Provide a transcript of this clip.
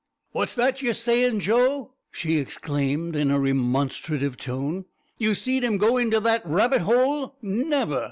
"What's that yer sayin', Joe?" she exclaimed in a remonstrative tone, "ye seed 'im go into that rabbit hole? Never!